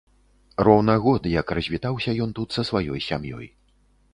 Роўна год, як развітаўся ён тут са сваёй сям'ёй.